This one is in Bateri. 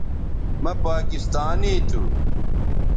مہ پاکستانی تھو